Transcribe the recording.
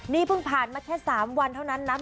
นี่เพิ่งผ่านมาแค่๓วันเท่านั้นนะ